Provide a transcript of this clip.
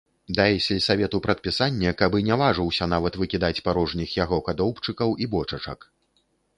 Дай сельсавету прадпісанне, каб і не важыўся нават выкідаць парожніх яго кадоўбчыкаў і бочачак.